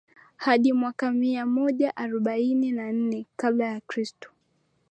hadi mwaka mia moja arobaini na nne kabla ya kristo